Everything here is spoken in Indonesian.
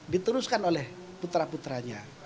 dituruskan oleh putra putranya